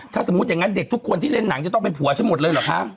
ถ้าสมมุติอย่างนั้นเด็กทุกคนที่เล่นหนังจะต้องเป็นผัวฉันหมดเลยเหรอคะ